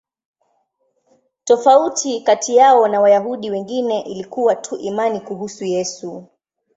Tofauti kati yao na Wayahudi wengine ilikuwa tu imani kuhusu Yesu.